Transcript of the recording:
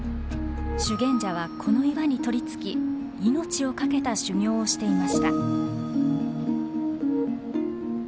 修験者はこの岩に取りつき命を懸けた修行をしていました。